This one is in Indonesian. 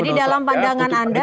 jadi dalam pandangan anda